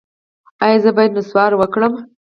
ایا زه باید نسوار وکړم؟